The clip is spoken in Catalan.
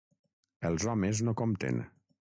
Els homes no compten.